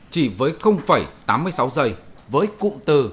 chỉ với tám mươi sáu giây với cụm từ